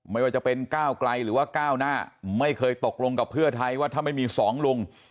ไม่ว่าจะเป็นก้าวไกลหรือว่าก้าวหน้าไม่เคยตกลงกับเพื่อไทยว่าถ้าไม่มีสองลุง